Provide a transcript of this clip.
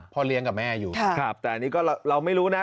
เลี้ยงกับแม่อยู่แต่อันนี้ก็เราไม่รู้นะ